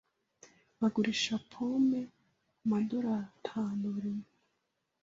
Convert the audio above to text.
Bagurisha pome kumadorari atanu buri umwe.